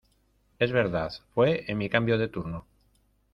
es verdad, fue en mi cambio de turno.